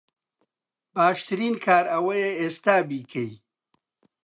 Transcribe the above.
باشترسن کار ئەوەیە ئێستا بیکەی